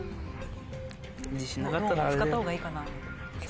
使ったほうがいいか。